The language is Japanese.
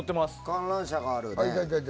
観覧車があるね。